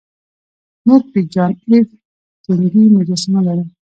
موږ د جان ایف کینیډي مجسمه لرو